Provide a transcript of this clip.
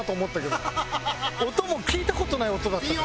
音も聞いた事ない音だったから。